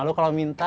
buat si ujang mana